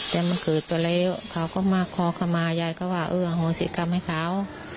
แต่มันเกิดไปแล้วเขาก็มาขอเข้ามายายก็ว่าเออโหสิกรรมให้เขา